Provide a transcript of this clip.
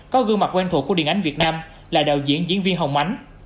có gương mặt quen thuộc của điện ảnh việt nam là đạo diễn diễn viên hồng ánh